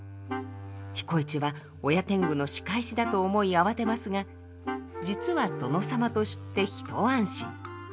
彦市は親天狗の仕返しだと思い慌てますが実は殿様と知って一安心。